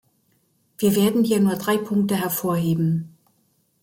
Wir werden hier nur drei Punkte hervorheben.